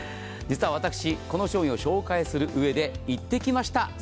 実は私この商品を紹介する上で行ってきました。